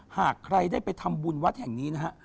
หากใครได้ไปทำบุญวัดแห่งนี้นะฮะ